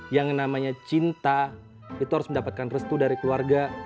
yang namanya cinta itu harus mendapatkan restu dari keluarga